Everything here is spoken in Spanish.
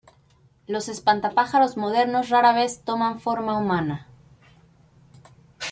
Los espantapájaros modernos rara vez toman forma humana.